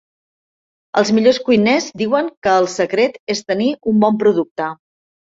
Els millors cuiners diuen que el secret és tenir un bon producte.